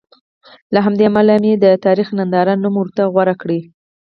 له همدې امله مې د تاریخ ننداره نوم ورته غوره کړ.